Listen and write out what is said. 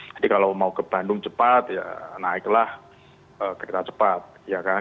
jadi kalau mau ke bandung cepat ya naiklah kereta cepat ya kan